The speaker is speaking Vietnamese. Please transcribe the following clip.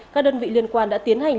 các đơn vị liên quan đã tiến hành